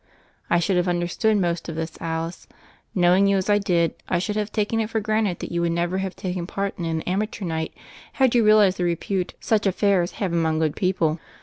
"I should have understood most of this, Alice. Knowing you as I did, I should have taken it for granted that you would never have taken part in an 'Amateur Night' had you realized the repute such affairs have among good people."